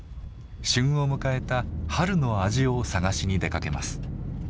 旬を迎えた春の味を探しに出かけます。